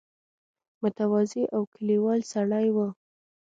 متواضع او کلیوال سړی وو.